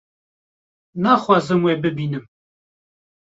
naxwazim we bibînim